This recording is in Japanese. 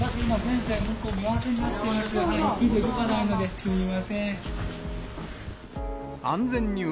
すみません。